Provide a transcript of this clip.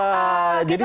jadi kita bisa